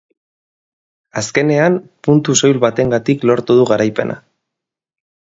Azkenean, puntu soil batengatik lortu du garaipena.